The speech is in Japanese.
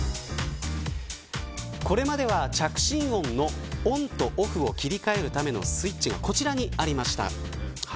これまでは着信音のオンとオフを切り替えるためのスイッチがこちらにありました。